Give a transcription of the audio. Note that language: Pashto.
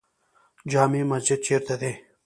جامع مسجد چیرته دی؟